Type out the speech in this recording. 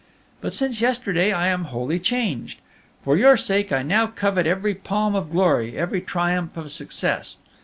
"But since yesterday I am wholly changed. For your sake I now covet every palm of glory, every triumph of success.